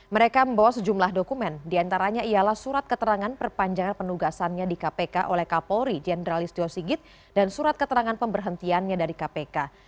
mereka membawa sejumlah dokumen diantaranya ialah surat keterangan perpanjangan penugasannya di kpk oleh kapolri jenderal istio sigit dan surat keterangan pemberhentiannya dari kpk